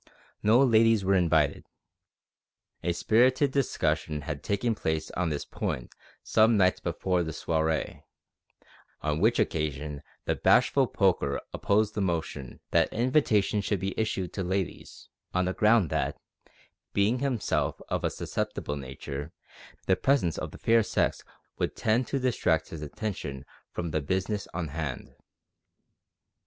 No ladies were invited. A spirited discussion had taken place on this point some nights before the soiree, on which occasion the bashful Poker opposed the motion "that invitations should be issued to ladies," on the ground that, being himself of a susceptible nature, the presence of the fair sex would tend to distract his attention from the business on hand.